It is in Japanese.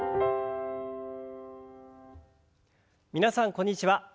皆さんこんにちは。